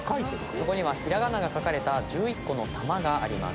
そこには平仮名が書かれた１１個の球があります。